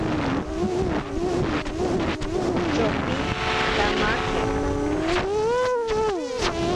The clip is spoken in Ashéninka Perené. Tyopi kamake.